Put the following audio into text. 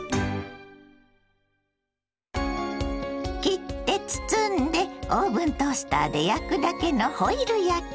切って包んでオーブントースターで焼くだけのホイル焼き。